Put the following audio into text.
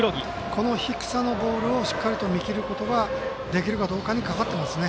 この低さのボールをしっかりと見切ることができるかどうかにかかってますね。